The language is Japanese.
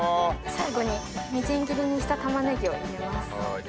最後にみじん切りにしたたまねぎを入れます。